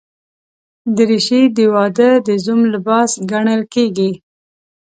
دریشي د واده د زوم لباس ګڼل کېږي.